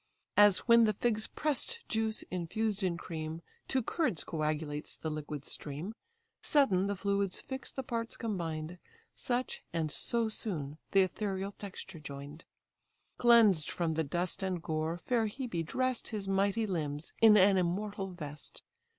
As when the fig's press'd juice, infused in cream, To curds coagulates the liquid stream, Sudden the fluids fix the parts combined; Such, and so soon, the ethereal texture join'd. Cleansed from the dust and gore, fair Hebe dress'd His mighty limbs in an immortal vest.